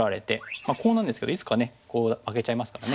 コウなんですけどいつかねコウあげちゃいますからね